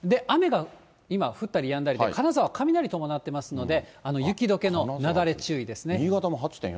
雨が今降ったりやんだりで、金沢、雷伴ってますので、雪どけの雪崩注意ですね。